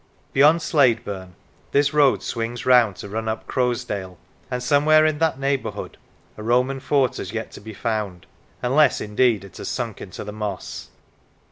Beyond Slaidburn this road swings round to run up Croasdale, and somewhere in that neighbourhood a Roman fort has yet to be found, unless, indeed, it has sunk into the moss.